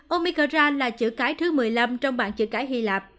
omicron là chữ cái thứ một mươi năm trong bản chữ cái hy lạp